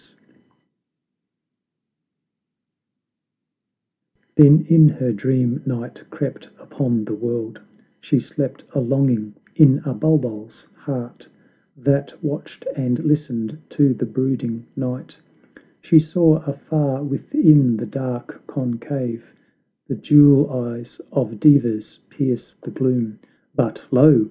Then in* her dream night crept upon the world; She slept a longing in a bulbul's heart, That watched and listened to the brooding night; '5 the Divine encbantraw She saw afar within the dark concave The jewel eyes of devas pierce the gloom; But lo!